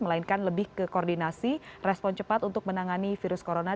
melainkan lebih ke koordinasi respon cepat untuk menangani virus corona